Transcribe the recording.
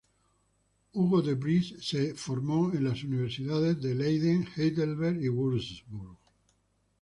Hugo De Vries se formó en las universidades de Leiden, Heidelberg y Würzburg.